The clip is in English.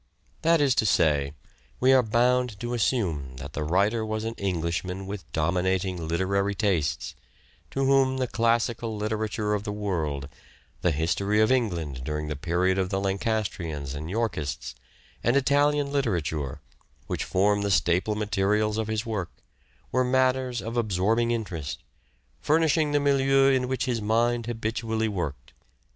That is to say, we are bound to assume that the writer was an Englishman with dominating literary tastes, to whom the classical literature of the world, the history of England during the period of the Lancastrians and Yorkists, and Italian literature, which form the staple materials of his work, were matters of absorbing interest, furnishing the milieu in which his mind habitually worked.